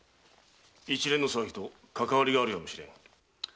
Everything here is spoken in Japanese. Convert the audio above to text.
一連の騒ぎとかかわりがあるやもしれん。